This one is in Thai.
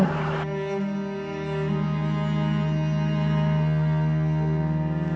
ปล่อยด้วย